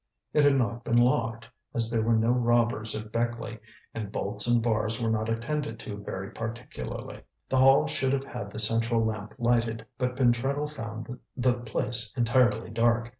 It had not been locked, as there were no robbers at Beckleigh, and bolts and bars were not attended to very particularly. The hall should have had the central lamp lighted, but Pentreddle found the place entirely dark.